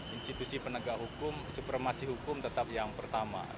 institusi penegak hukum supremasi hukum tetap yang pertama